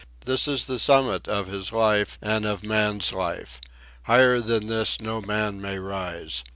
This is the summit of his life, and of man's life. Higher than this no man may rise.